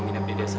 lu minum dan makan